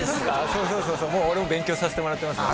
そうそうもう俺も勉強させてもらってます